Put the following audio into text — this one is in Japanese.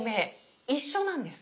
一緒なんです。